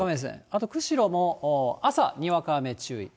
あと釧路も朝、にわか雨注意。